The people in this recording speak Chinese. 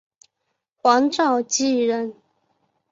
黄兆晋人。